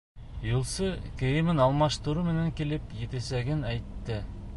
Юлсы кейемен алмаштырыу менән килеп етәсәген әйтте.